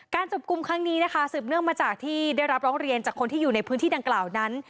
จับกลุ่มครั้งนี้นะคะสืบเนื่องมาจากที่ได้รับร้องเรียนจากคนที่อยู่ในพื้นที่ดังกล่าวนั้น